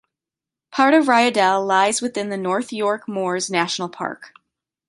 Part of Ryedale lies within the North York Moors National Park.